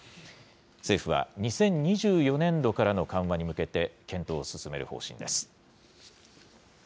政府は、２０２４年度からの緩和に向けて、検討を進める方針です。